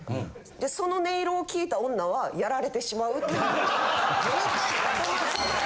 でその音色を聴いた女はやられてしまうっていう。